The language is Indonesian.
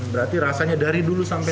berarti rasanya dari dulu sampai